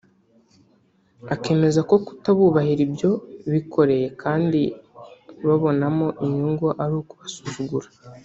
akemeza ko kutabubahira ibyo bikoreye kandi babonamo inyungu ari ukubasuzugura